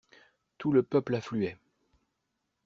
Tout le peuple affluait.